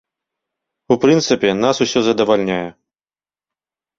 У прынцыпе нас усё задавальняе.